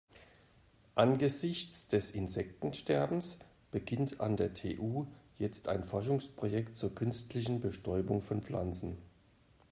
Angesichts des Insektensterbens beginnt an der TU jetzt ein Forschungsprojekt zur künstlichen Bestäubung von Pflanzen.